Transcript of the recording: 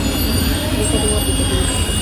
Nunca tuvo aplicación exitosa.